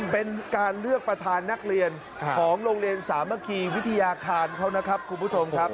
เป็นการเลือกประธานนักเรียนของโรงเรียนสามัคคีวิทยาคารเขานะครับคุณผู้ชมครับ